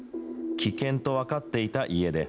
危険と分かっていた家出。